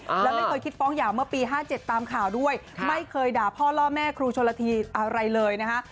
แล้วไม่เคยคิดฟ้องหย่าเมื่อปี๕๗ตามข่าวด้วยไม่เคยด่าพ่อล่อแม่ครูชนละทีอะไรเลยนะคะ